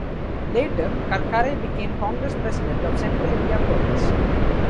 Later, Karkare became Congress president of Central India Province.